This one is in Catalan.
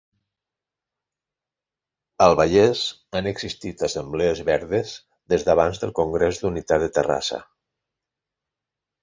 Al Vallès han existit assemblees verdes des d'abans del Congrés d'Unitat de Terrassa.